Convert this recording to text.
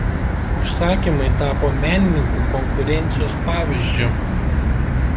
Užsakymai tapo menininkų konkurencijos pavyzdžiu.